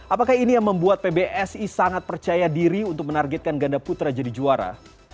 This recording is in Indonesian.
apakah ini yang membuat pbsi sangat percaya diri untuk menargetkan ganda putra jadi juara